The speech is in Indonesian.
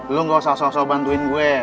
lo gak usah so bantuin gue